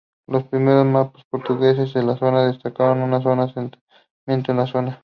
Los primeros mapas portugueses de la zona destacan un asentamiento en la zona.